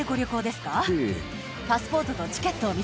ええ。